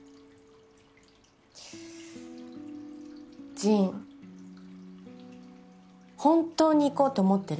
ジン本当に行こうと思ってる？